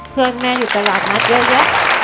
เพื่อนแม่อยู่ตลาดนัดเยอะแยะ